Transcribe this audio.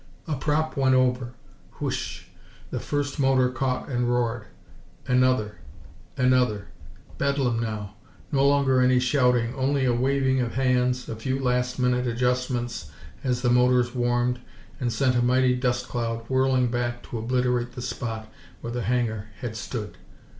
A prop went over, whish! The first motor caught and roared. Another ... another ... bedlam now. No longer any shouting, only a waving of hands, a few last minute adjustments as the motors warmed and sent a mighty dust cloud whirling back to obliterate the spot where the hangar had stood.